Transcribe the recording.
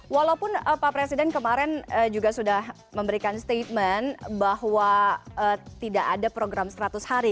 walaupun pak presiden kemarin juga sudah memberikan statement bahwa tidak ada program seratus hari